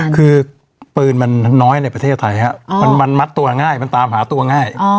คือปืนมันน้อยในประเทศไทยครับมันมัดตัวง่ายมันตามหาตัวง่าย